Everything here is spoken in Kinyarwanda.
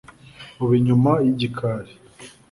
ubu inyuma y’igikari